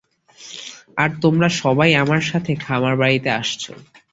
আর তোমরা সবাই আমার সাথে খামারবাড়িতে আসছো।